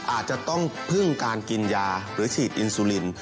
อาจจะต้องพึ่งการกินยาหรือฉีดอินซูลิน